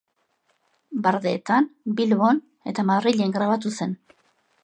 Bardeetan, Bilbon eta Madrilen grabatu zen.